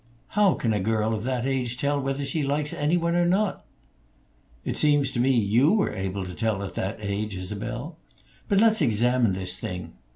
"How can a girl of that age tell whether she likes any one or not?" "It seems to me you were able to tell at that age, Isabel. But let's examine this thing.